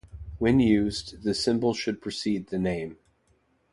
When used, the symbol should precede the name.